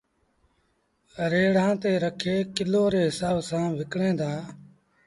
ريڙآݩ تي رکي ڪلو ري هسآب سآݩ وڪڻيٚن دآ